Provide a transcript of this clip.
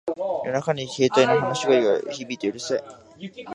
夜中に携帯の話し声が響いてうるさい